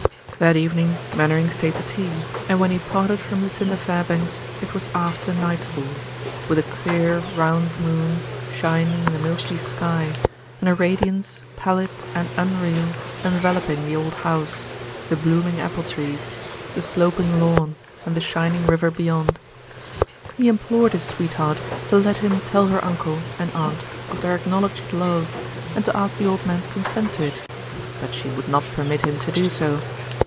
That evening Mainwaring stayed to tea and when he parted from Lucinda Fairbanks it was after nightfall, with a clear, round moon shining in the milky sky and a radiance pallid and unreal enveloping the old house, the blooming apple trees, the sloping lawn and the shining river beyond. He implored his sweetheart to let him tell her uncle and aunt of their acknowledged love and to ask the old man's consent to it, but she would not permit him to do so.